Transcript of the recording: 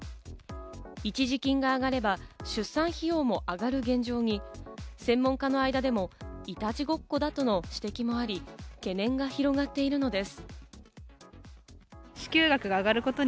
一時金が上がれば出産費用も上がる現状に専門家の間でも、いたちごっこだとの指摘もあり、懸念が広がっているのです。